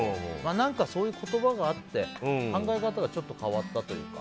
何かそういう言葉があって考え方が変わったというか。